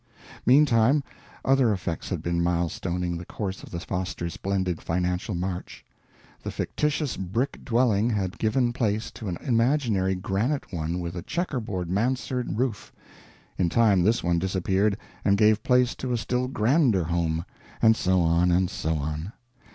Meantime, other effects had been milestoning the course of the Fosters' splendid financial march. The fictitious brick dwelling had given place to an imaginary granite one with a checker board mansard roof; in time this one disappeared and gave place to a still grander home and so on and so on.